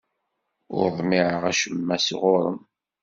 Ur ḍmiɛeɣ acemma sɣur-m.